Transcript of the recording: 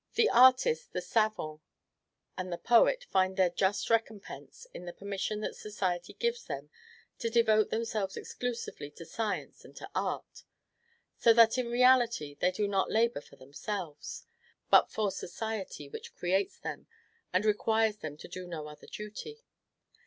The artist, the savant, and the poet find their just recompense in the permission that society gives them to devote themselves exclusively to science and to art: so that in reality they do not labor for themselves, but for society, which creates them, and requires of them no other duty.